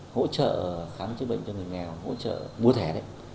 hỗ trợ khám chữa bệnh cho người nghèo hỗ trợ mua thẻ đấy